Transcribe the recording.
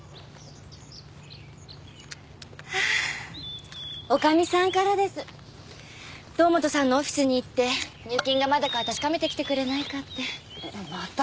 ハァ女将さんからです堂本さんのオフィスに行って入金がまだか確かめてきてくれないかってまた？